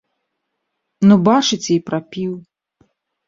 Ну, бачыце, і прапіў.